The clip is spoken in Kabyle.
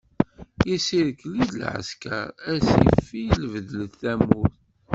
Isirkli-d lɛesker, a ssifil bedlet tamurt.